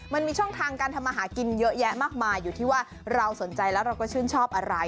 มันมีช่องทางการทำมาหากินเยอะแยะมากมายอยู่ที่ว่าเราสนใจแล้วเราก็ชื่นชอบอะไร